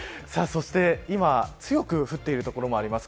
そして今強く降っている所もあります。